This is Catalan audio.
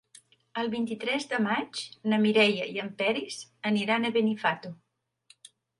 El vint-i-tres de maig na Mireia i en Peris aniran a Benifato.